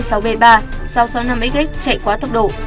sau sáu mươi năm xx chạy qua tốc độ